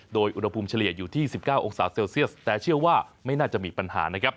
โดยอุณหภูมิเฉลี่ยอยู่ที่๑๙องศาเซลเซียสแต่เชื่อว่าไม่น่าจะมีปัญหานะครับ